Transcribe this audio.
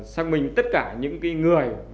xác minh tất cả những người